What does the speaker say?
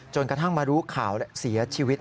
กระทั่งมารู้ข่าวเสียชีวิต